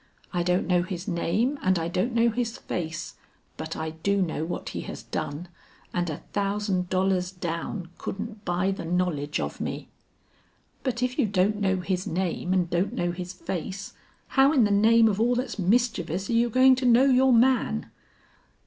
I don't know his name and I don't know his face, but I do know what he has done, and a thousand dollars down couldn't buy the knowledge of me." "But if you don't know his name and don't know his face, how in the name of all that's mischievous are you going to know your man?"